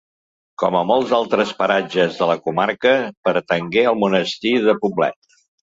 Com molts altres paratges de la comarca, pertangué al monestir de Poblet.